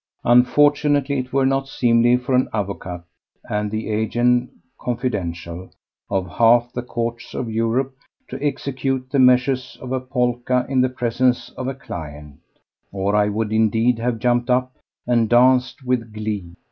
Unfortunately it were not seemly for an avocat and the agent confidentiel of half the Courts of Europe to execute the measures of a polka in the presence of a client, or I would indeed have jumped up and danced with glee.